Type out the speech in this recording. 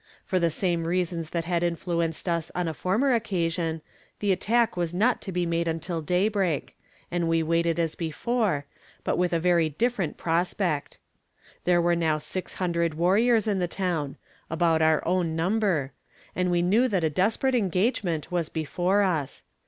For the same reasons that had influenced us on a former occasion, the attack was not to be made until daybreak; and we waited as before, but with a very different prospect. There were now six hundred warriors in the town about our own number; and we knew that a desperate engagement was before us.